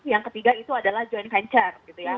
yang ketiga itu adalah joint venture gitu ya